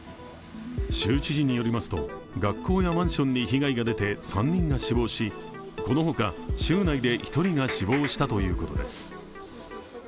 州知事によりますと、学校やマンションに被害が出て３人が死亡しこのほか州内で１人が死亡したということです。